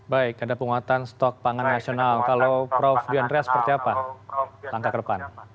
baik ada penguatan stok pangan nasional kalau prof andrias seperti apa langkah ke depan